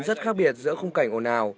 rất khác biệt giữa không cảnh ồn ào